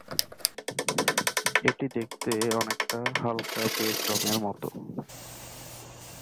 এটি দেখতে অনেকটা হালকা বেজ রঙের মতো।